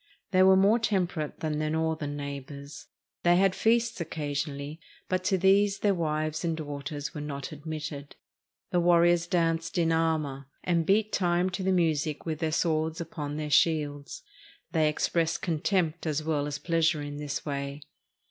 They were more temperate than their northern neighbors. They had feasts occasionally, but to these their wives and daughters were not admitted. The warriors danced in armor, and beat time to the music with their swords upon their shields. They expressed contempt as well as pleasure in this way.